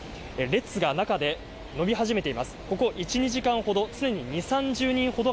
列が中で伸び始めています。